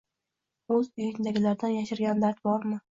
O‘z uyingdagilardan yashirgan dard bormi?